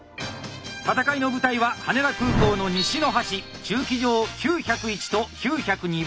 戦いの舞台は羽田空港の西の端駐機場９０１と９０２番スポット。